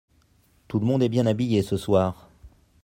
Tout le monde est bien habillé ce soir.